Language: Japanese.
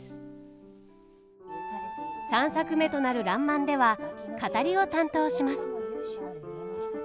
３作目となる「らんまん」では語りを担当します。